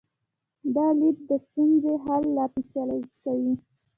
دا لید د ستونزې حل لا پیچلی کوي.